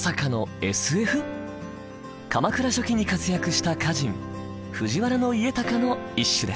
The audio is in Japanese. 鎌倉初期に活躍した歌人藤原家隆の一首です。